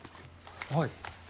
はい。